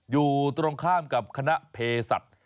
อยู่ตรงข้ามกับคณะเพศัตริย์